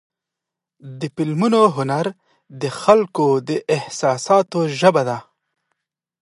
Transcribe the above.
د فلمونو هنر د خلکو د احساساتو ژبه ده.